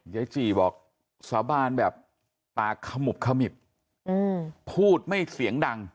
จีบอกสาบานแบบปากขมุบขมิบพูดไม่เสียงดัง